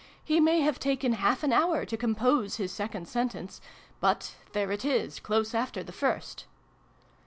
He may have taken half an hour to compose his second sentence ; but there it is, close after the first